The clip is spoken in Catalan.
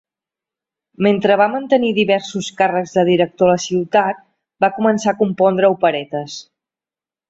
Mentre va mantenir diversos càrrecs de director a la ciutat, va començar a compondre operetes.